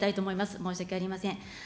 申し訳ありません。